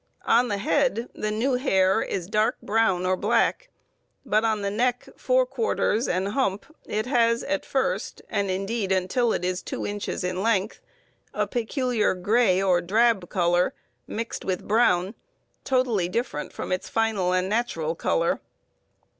On the head the new hair is dark brown or black, but on the neck, fore quarters, and hump it has at first, and indeed until it is 2 inches in length, a peculiar gray or drab color, mixed with brown, totally different from its final and natural color.